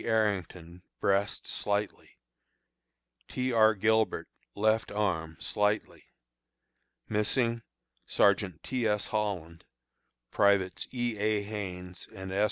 Arrington, breast slightly; T. R. Gilbert, left arm slightly. Missing: Sergeant T. S. Holland; Privates E. A. Haines and S.